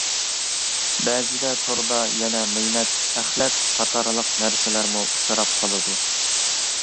بەزىدە توردا يەنە مەينەت، ئەخلەت. قاتارلىق نەرسىلەرمۇ ئۇچراپ قالىدۇ.